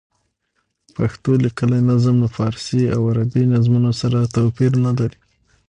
پښتو لیکلی نظم له فارسي او عربي نظمونو سره توپیر نه لري.